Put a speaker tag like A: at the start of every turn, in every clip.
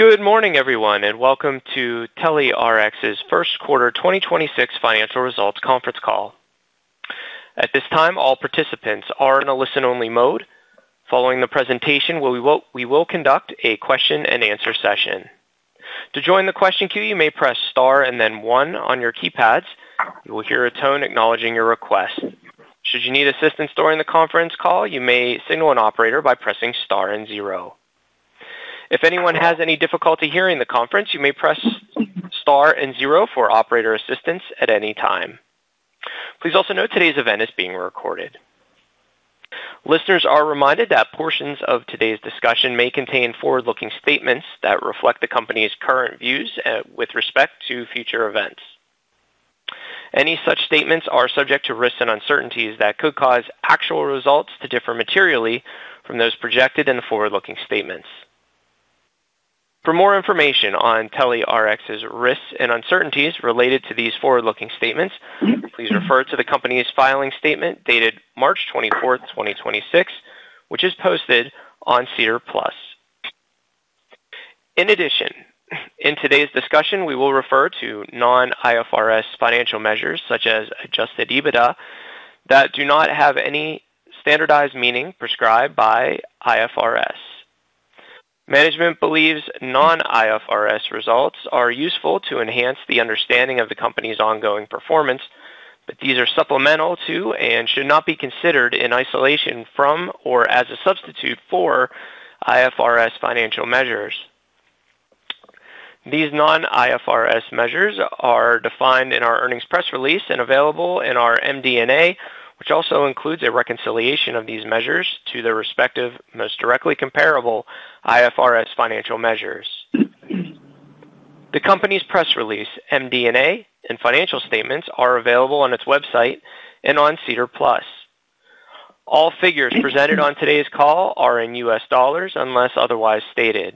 A: Good morning, everyone, and welcome to TelyRx's First Quarter 2026 Financial Results Conference Call. At this time, all participants are in a listen-only mode. Following the presentation, we will conduct a question-and-answer session. To join the question queue, you may press star one on your keypads. You will hear a tone acknowledging your request. Should you need assistance during the conference call, you may signal an operator by pressing star zero. If anyone has any difficulty hearing the conference, you may press star zero for operator assistance at any time. Please also note today's event is being recorded. Listeners are reminded that portions of today's discussion may contain forward-looking statements that reflect the company's current views with respect to future events. Any such statements are subject to risks and uncertainties that could cause actual results to differ materially from those projected in the forward-looking statements. For more information on TelyRx's risks and uncertainties related to these forward-looking statements, please refer to the company's filing statement dated March 24, 2026, which is posted on SEDAR+. In today's discussion, we will refer to non-IFRS financial measures, such as adjusted EBITDA, that do not have any standardized meaning prescribed by IFRS. Management believes non-IFRS results are useful to enhance the understanding of the company's ongoing performance, but these are supplemental to and should not be considered in isolation from or as a substitute for IFRS financial measures. These non-IFRS measures are defined in our earnings press release and available in our MD&A, which also includes a reconciliation of these measures to their respective most directly comparable IFRS financial measures. The company's press release, MD&A and financial statements are available on its website and on SEDAR+. All figures presented on today's call are in U.S. dollars unless otherwise stated.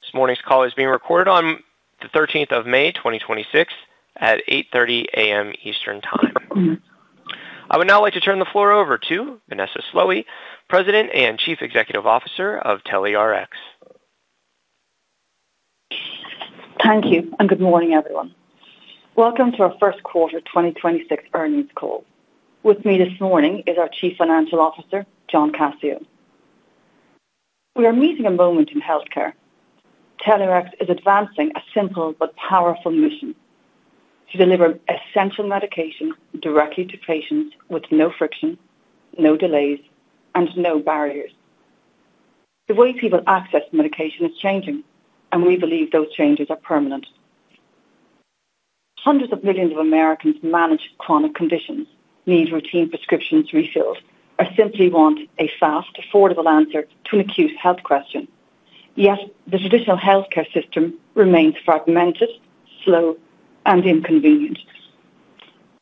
A: This morning's call is being recorded on the 13th of May, 2026, at 8:30 A.M. Eastern Time. I would now like to turn the floor over to Vanessa Slowey, President and Chief Executive Officer of TelyRx.
B: Thank you. Good morning, everyone. Welcome to our first quarter 2026 earnings call. With me this morning is our Chief Financial Officer, John Cascio. We are meeting a moment in healthcare. TelyRx is advancing a simple but powerful mission. To deliver essential medication directly to patients with no friction, no delays, and no barriers. The way people access medication is changing, and we believe those changes are permanent. Hundreds of millions of Americans manage chronic conditions, need routine prescriptions refilled, or simply want a fast, affordable answer to an acute health question. The traditional healthcare system remains fragmented, slow, and inconvenient.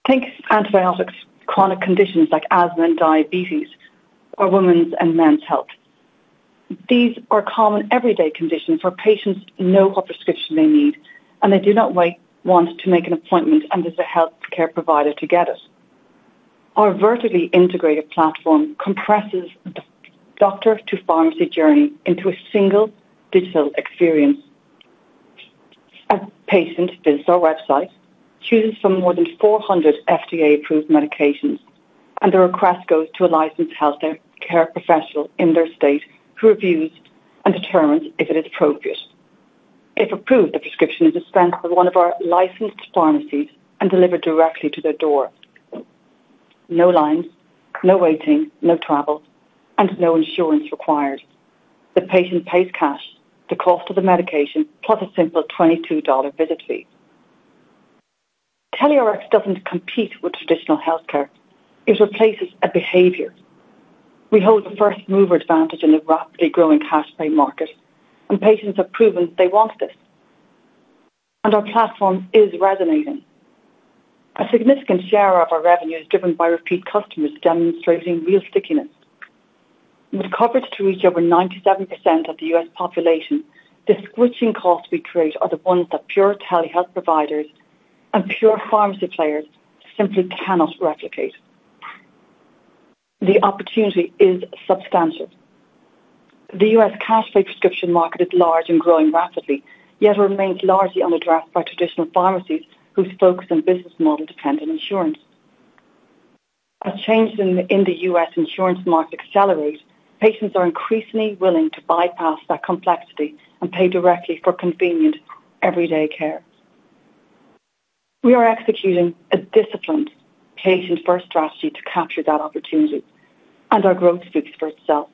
B: Take antibiotics, chronic conditions like asthma and diabetes, or women's and men's health. These are common everyday conditions where patients know what prescription they need, and they do not want to make an appointment and visit a healthcare provider to get it. Our vertically integrated platform compresses the doctor-to-pharmacy journey into a single digital experience. A patient visits our website, chooses from more than 400 FDA-approved medications, and the request goes to a licensed healthcare professional in their state who reviews and determines if it is appropriate. If approved, the prescription is dispensed with one of our licensed pharmacies and delivered directly to their door. No lines, no waiting, no travel, and no insurance required. The patient pays cash, the cost of the medication, plus a simple $22 visit fee. TelyRx doesn't compete with traditional healthcare. It replaces a behavior. We hold the first-mover advantage in the rapidly growing cash pay market, and patients have proven they want this, and our platform is resonating. A significant share of our revenue is driven by repeat customers demonstrating real stickiness. With coverage to reach over 97% of the U.S. population, the switching costs we create are the ones that pure telehealth providers and pure pharmacy players simply cannot replicate. The opportunity is substantial. The U.S. cash pay prescription market is large and growing rapidly, yet remains largely unaddressed by traditional pharmacies whose focus and business model depend on insurance. As changes in the U.S. insurance market accelerate, patients are increasingly willing to bypass that complexity and pay directly for convenient, everyday care. We are executing a disciplined patient-first strategy to capture that opportunity. Our growth speaks for itself.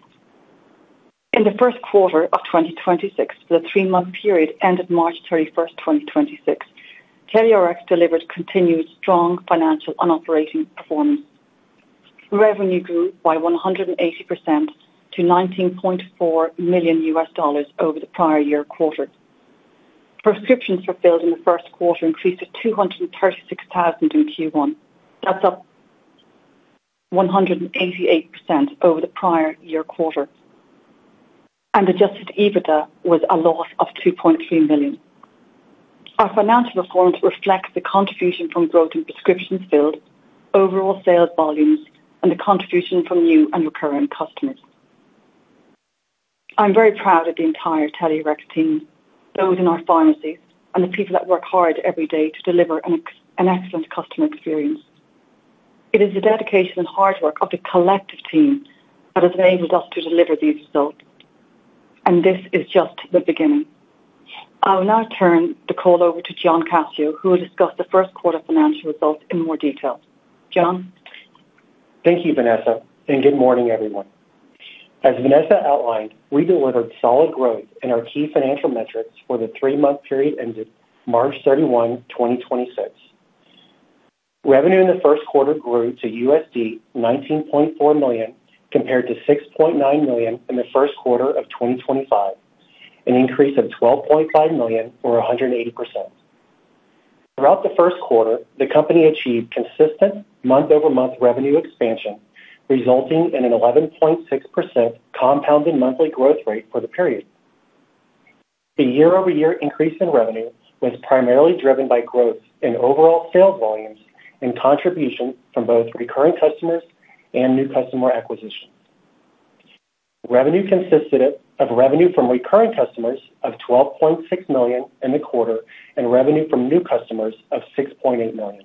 B: In the first quarter of 2026, the three-month period ended March 31st, 2026, TelyRx delivered continued strong financial and operating performance. Revenue grew by 180% to $19.4 million over the prior year quarter. Prescriptions fulfilled in the first quarter increased to 236,000 in Q1. That's up 188% over the prior year quarter. Adjusted EBITDA was a loss of $2.3 million. Our financial performance reflects the contribution from growth in prescriptions filled, overall sales volumes, and the contribution from new and recurring customers. I'm very proud of the entire TelyRx team, those in our pharmacies, and the people that work hard every day to deliver an excellent customer experience. It is the dedication and hard work of the collective team that has enabled us to deliver these results, and this is just the beginning. I will now turn the call over to John Cascio, who will discuss the first quarter financial results in more detail. John?
C: Thank you, Vanessa, and good morning, everyone. As Vanessa outlined, we delivered solid growth in our key financial metrics for the three month period ended March 31, 2026. Revenue in the first quarter grew to $19.4 million compared to $6.9 million in the first quarter of 2025, an increase of $12.5 million or 180%. Throughout the first quarter, the company achieved consistent month-over-month revenue expansion, resulting in an 11.6% compounded monthly growth rate for the period. The year-over-year increase in revenue was primarily driven by growth in overall sales volumes and contributions from both recurring customers and new customer acquisition. Revenue consisted of revenue from recurring customers of $12.6 million in the quarter and revenue from new customers of $6.8 million.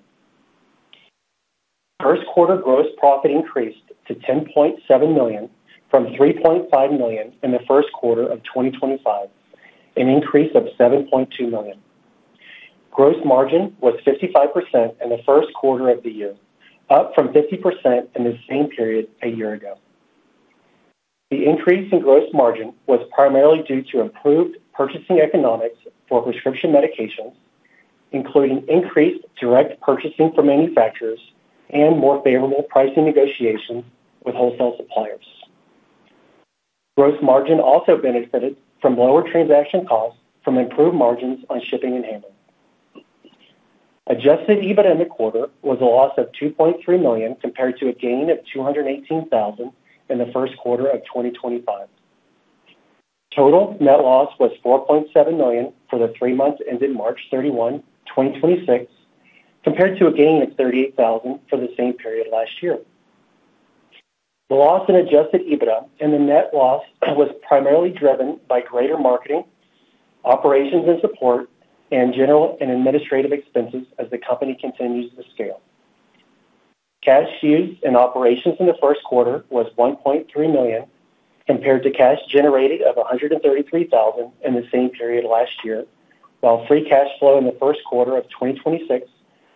C: First quarter gross profit increased to $10.7 million from $3.5 million in the first quarter of 2025, an increase of $7.2 million. Gross margin was 55% in the first quarter of the year, up from 50% in the same period a year ago. The increase in gross margin was primarily due to improved purchasing economics for prescription medications, including increased direct purchasing from manufacturers and more favorable pricing negotiations with wholesale suppliers. Gross margin also benefited from lower transaction costs from improved margins on shipping and handling. Adjusted EBIT in the quarter was a loss of $2.3 million compared to a gain of $218,000 in the first quarter of 2025. Total net loss was $4.7 million for the three months ended March 31, 2026, compared to a gain of $38,000 for the same period last year. The loss in adjusted EBITDA and the net loss was primarily driven by greater marketing, operations and support, and general and administrative expenses as the company continues to scale. Cash used in operations in the first quarter was $1.3 million compared to cash generated of $133,000 in the same period last year, while free cash flow in the first quarter of 2026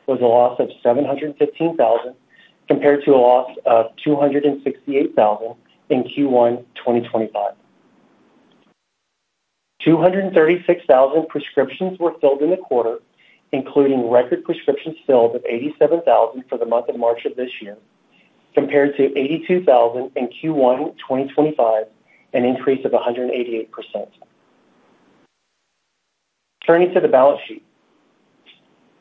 C: was a loss of $715,000 compared to a loss of $268,000 in Q1 2025. 236,000 prescriptions were filled in the quarter, including record prescriptions filled of 87,000 for the month of March of this year, compared to 82,000 in Q1 2025, an increase of 188%. Turning to the balance sheet.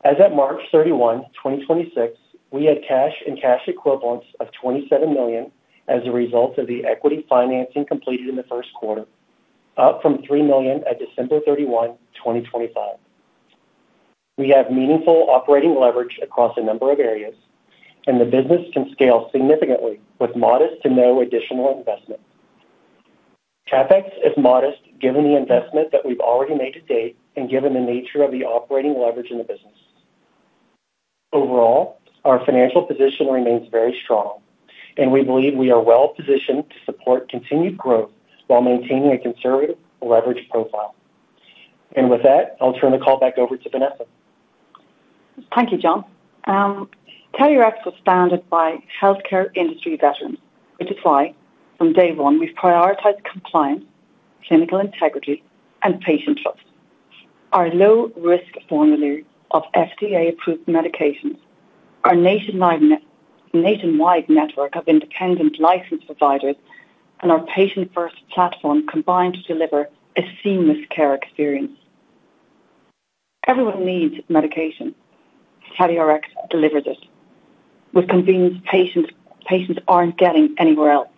C: As at March 31, 2026, we had cash and cash equivalents of $27 million as a result of the equity financing completed in the first quarter, up from $3 million at December 31, 2025. We have meaningful operating leverage across a number of areas. The business can scale significantly with modest to no additional investment. CapEx is modest given the investment that we've already made to date and given the nature of the operating leverage in the business. Overall, our financial position remains very strong, and we believe we are well positioned to support continued growth while maintaining a conservative leverage profile. With that, I'll turn the call back over to Vanessa.
B: Thank you, John. TelyRx was founded by healthcare industry veterans, which is why from day one, we've prioritized compliance, clinical integrity, and patient trust. Our low-risk formulary of FDA-approved medications, our nationwide network of independent licensed providers, and our patient-first platform combine to deliver a seamless care experience. Everyone needs medication. TelyRx delivers it with convenience patients aren't getting anywhere else.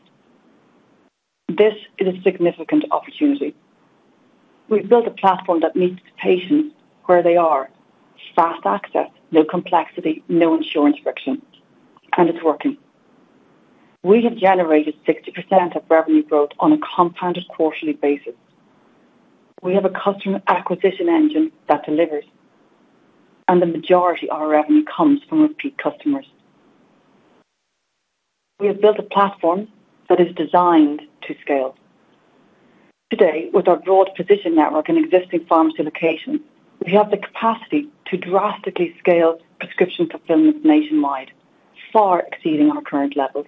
B: This is a significant opportunity. We've built a platform that meets patients where they are. Fast access, no complexity, no insurance friction, and it's working. We have generated 60% of revenue growth on a compounded quarterly basis. We have a customer acquisition engine that delivers, and the majority of our revenue comes from repeat customers. We have built a platform that is designed to scale. Today, with our broad physician network and existing pharmacy locations, we have the capacity to drastically scale prescription fulfillment nationwide, far exceeding our current levels.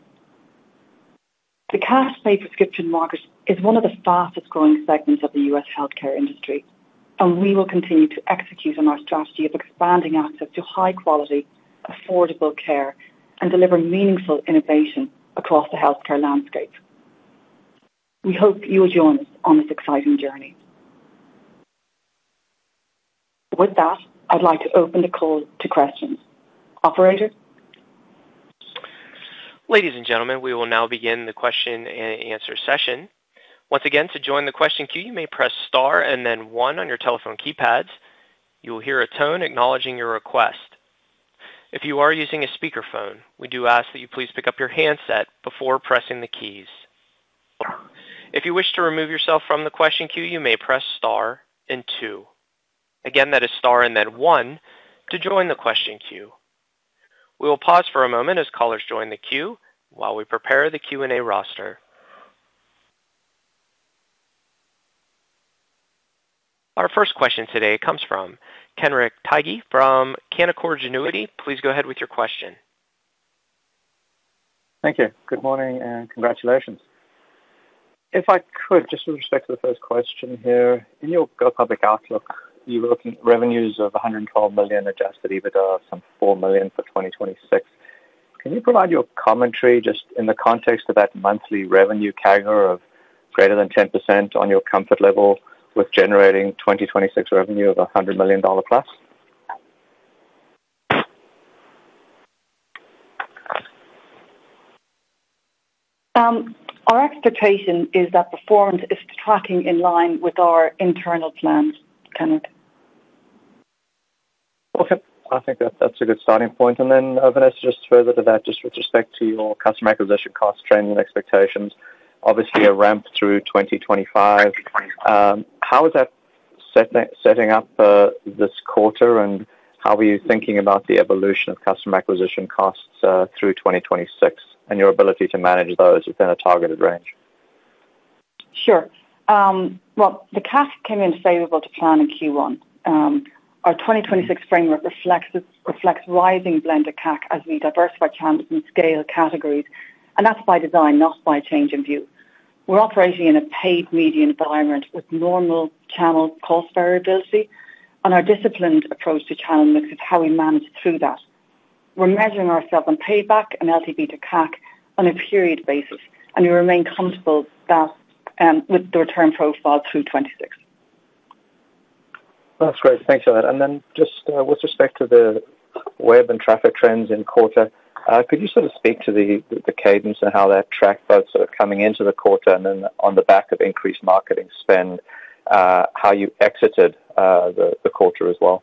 B: The cash pay prescription market is one of the fastest-growing segments of the U.S. healthcare industry, and we will continue to execute on our strategy of expanding access to high-quality, affordable care and deliver meaningful innovation across the healthcare landscape. We hope you will join us on this exciting journey. With that, I'd like to open the call to questions. Operator?
A: Ladies and gentlemen, we will now begin the question and answer session. Once again, to join the question queue, you may press star and then one on your telephone keypads. You will hear a tone acknowledging your request. If you are using a speakerphone, we do ask that you please pick up your handset before pressing the keys. If you wish to remove yourself from the question queue, you may press star and two. Again, that is star and then one to join the question queue. We will pause for a moment as callers join the queue while we prepare the Q&A roster. Our first question today comes from Kenric Tyghe from Canaccord Genuity. Please go ahead with your question.
D: Thank you. Good morning and congratulations. If I could, just with respect to the first question here. In your go public outlook, you're looking at revenues of $112 million, adjusted EBITDA of some $4 million for 2026. Can you provide your commentary just in the context of that monthly revenue CAGR of greater than 10% on your comfort level with generating 2026 revenue of $100 million+?
B: Our expectation is that performance is tracking in line with our internal plans, Kenric.
D: Okay. I think that's a good starting point. Then, Vanessa, just further to that, just with respect to your customer acquisition cost trends and expectations, obviously a ramp through 2025. how is that setting up this quarter, and how are you thinking about the evolution of customer acquisition costs through 2026 and your ability to manage those within a targeted range?
B: Sure. Well, the CAC came in favorable to plan in Q1. Our 2026 framework reflects rising blended CAC as we diversify channels and scale categories, and that's by design, not by change in view. We're operating in a paid media environment with normal channel cost variability and our disciplined approach to channel mix is how we manage through that. We're measuring ourself on payback and LTV to CAC on a period basis, and we remain comfortable that with the return profile through 2026.
D: That's great. Thanks for that. Just, with respect to the web and traffic trends in quarter, could you sort of speak to the cadence and how that track both sort of coming into the quarter and then on the back of increased marketing spend, how you exited, the quarter as well?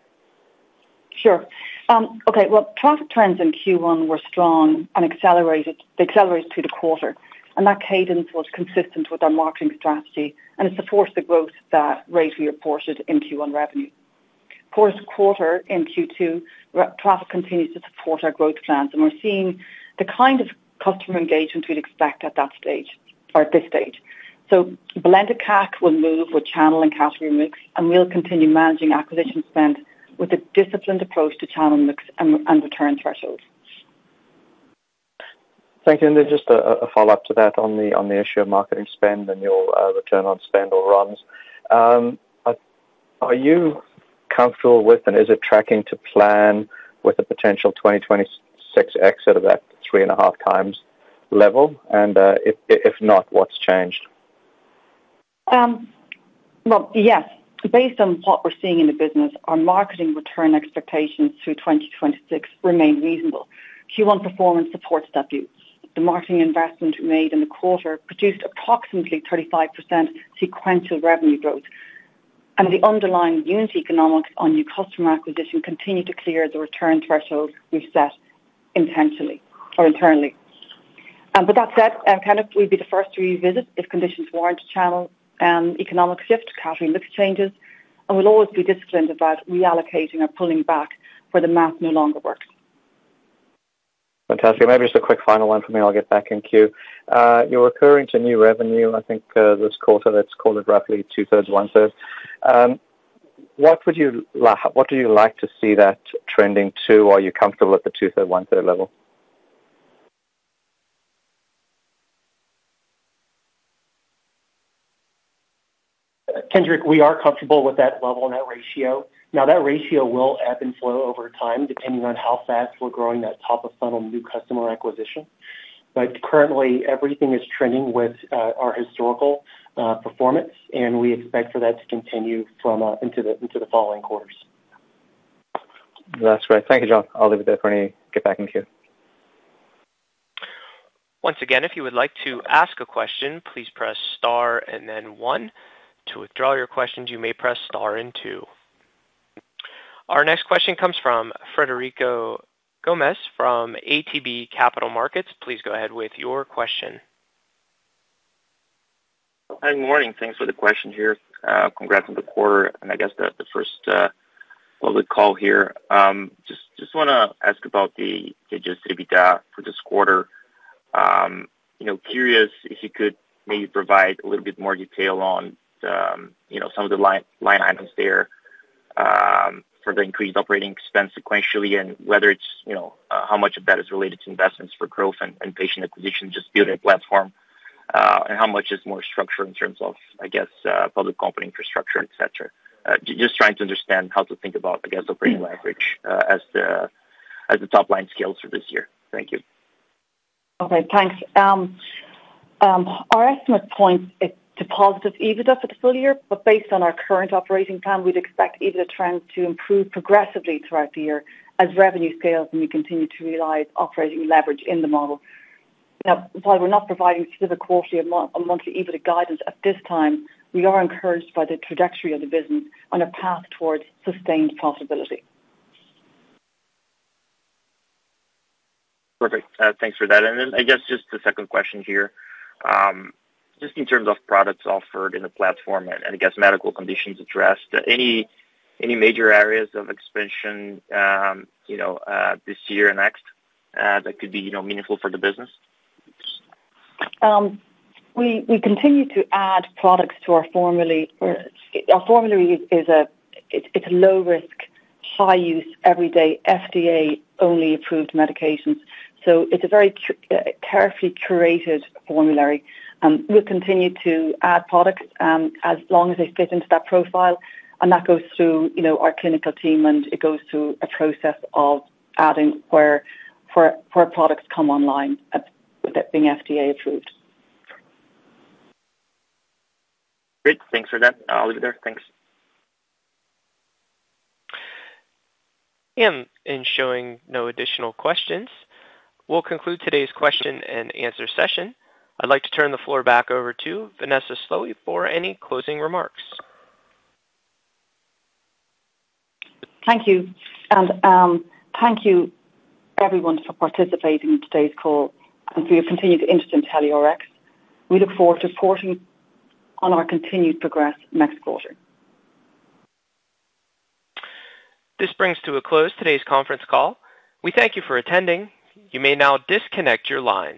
B: Sure. Okay. Traffic trends in Q1 were strong and they accelerated through the quarter, and that cadence was consistent with our marketing strategy, and it's the force of growth that rate we reported in Q1 revenue. Fourth quarter in Q2, traffic continues to support our growth plans, and we're seeing the kind of customer engagement we'd expect at that stage or at this stage. Blended CAC will move with channel and category mix, and we'll continue managing acquisition spend with a disciplined approach to channel mix and return thresholds.
D: Thank you. Just a follow-up to that on the issue of marketing spend and your return on spend or ROAS. Are you comfortable with and is it tracking to plan with a potential 2026 exit of that 3.5x level? If not, what's changed?
B: Well, yes. Based on what we're seeing in the business, our marketing return expectations through 2026 remain reasonable. Q1 performance supports that view. The marketing investment made in the quarter produced approximately 35% sequential revenue growth. The underlying unit economics on new customer acquisition continue to clear the return thresholds we've set intentionally or internally. With that said, Kenric, we'd be the first to revisit if conditions warrant channel, economic shift, category mix changes, and we'll always be disciplined about reallocating or pulling back where the math no longer works.
D: Fantastic. Maybe just a quick final one for me, I'll get back in queue. You're recurring to new revenue, and I think, this quarter, let's call it roughly 2/3, 1/3. What do you like to see that trending to? Are you comfortable at the 2/3, 1/3 level?
C: Kenric, we are comfortable with that level and that ratio. That ratio will ebb and flow over time depending on how fast we're growing that top of funnel new customer acquisition. Currently, everything is trending with our historical performance, and we expect for that to continue from into the following quarters.
D: That's great. Thank you, John. I'll leave it there for any get back in queue.
A: Once again, if you would like to ask a question, please press star and then one. To withdraw your questions, you may press star and two. Our next question comes from Frederico Gomes from ATB Capital Markets. Please go ahead with your question.
E: Good morning. Thanks for the question here. Congrats on the quarter, and I guess the first, what we call here. Just wanna ask about the adjusted EBITDA for this quarter. You know, curious if you could maybe provide a little bit more detail on the, you know, some of the line items there, for the increased operating expense sequentially and whether it's, you know, how much of that is related to investments for growth and patient acquisition just building a platform, and how much is more structure in terms of, I guess, public company infrastructure, et cetera. Just trying to understand how to think about, I guess, operating leverage, as the top line scales for this year. Thank you.
B: Okay, thanks. Our estimate points to positive EBITDA for the full year. Based on our current operating plan, we'd expect EBITDA trends to improve progressively throughout the year as revenue scales and we continue to realize operating leverage in the model. While we're not providing specific quarterly or monthly EBITDA guidance at this time, we are encouraged by the trajectory of the business on a path towards sustained profitability.
E: Perfect. Thanks for that. I guess just a second question here, just in terms of products offered in the platform and I guess medical conditions addressed, any major areas of expansion, you know, this year and next, that could be, you know, meaningful for the business?
B: We continue to add products to our formulary. Our formulary is low risk, high use, everyday, FDA-only approved medications. It's a very carefully curated formulary. We'll continue to add products as long as they fit into that profile, and that goes through, you know, our clinical team, and it goes through a process of adding for products come online with it being FDA approved.
E: Great. Thanks for that. I'll leave it there. Thanks.
A: In showing no additional questions, we'll conclude today's question and answer session. I'd like to turn the floor back over to Vanessa Slowey for any closing remarks.
B: Thank you. Thank you everyone for participating in today's call and for your continued interest in TelyRx. We look forward to reporting on our continued progress next quarter.
A: This brings to a close today's conference call. We thank you for attending. You may now disconnect your lines.